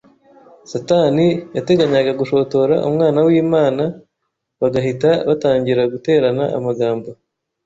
Satani yateganyaga gushotora Umwana w’Imana bagahita batangira guterana amagambo;